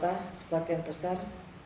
tapi sebagian besar yang kami hargai